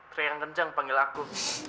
kri yang kencang panggil aku